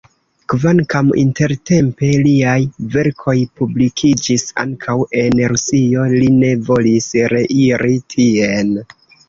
Kvankam intertempe liaj verkoj publikiĝis ankaŭ en Rusio, li ne volis reiri tien.